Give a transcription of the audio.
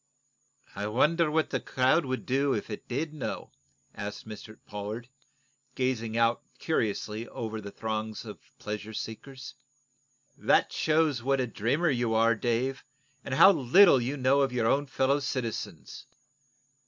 "I wonder what the crowd would do, if it did know?" asked Pollard, gazing out curiously over the throngs of pleasure seekers. "That shows what a dreamer you are, Dave, and how little you know of your own fellow citizens.